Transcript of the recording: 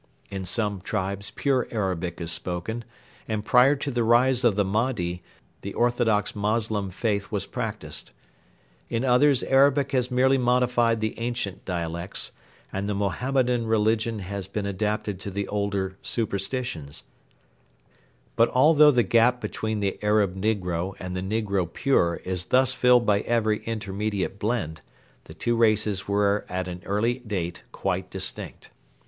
In some tribes pure Arabic is spoken, and prior to the rise of the Mahdi the orthodox Moslem faith was practised. In others Arabic has merely modified the ancient dialects, and the Mohammedan religion has been adapted to the older superstitions; but although the gap between the Arab negro and the negro pure is thus filled by every intermediate blend, the two races were at an early date quite distinct.